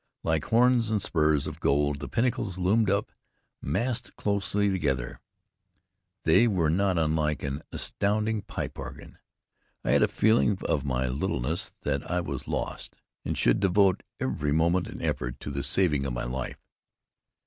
Like horns and spurs of gold the pinnacles loomed up. Massed closely together, they were not unlike an astounding pipe organ. I had a feeling of my littleness, that I was lost, and should devote every moment and effort to the saving of my life.